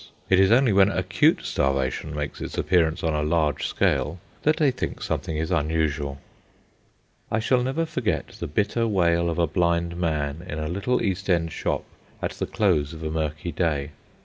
It is only when acute starvation makes its appearance on a large scale that they think something is unusual. I shall never forget the bitter wail of a blind man in a little East End shop at the close of a murky day.